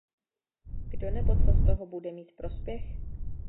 Kdo nebo co z toho bude mít prospěch?